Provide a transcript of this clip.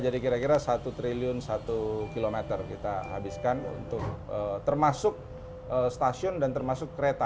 kira kira satu triliun satu kilometer kita habiskan untuk termasuk stasiun dan termasuk kereta